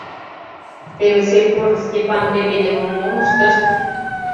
Теве селькор Степан Лебедевым мом ыштышт?